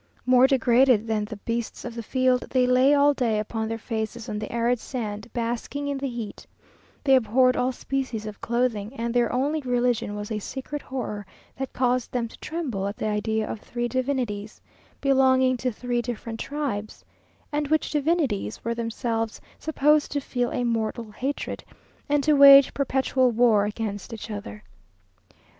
More degraded than the beasts of the field, they lay all day upon their faces on the arid sand, basking in the heat; they abhorred all species of clothing, and their only religion was a secret horror that caused them to tremble at the idea of three divinities, belonging to three different tribes, and which divinities were themselves supposed to feel a mortal hatred, and to wage perpetual war against each other.